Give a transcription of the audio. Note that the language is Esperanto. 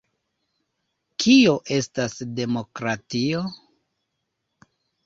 Kio estas demokratio?